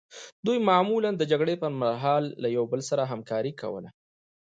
دوی معمولا د جګړې پرمهال له یو بل سره همکاري کوله.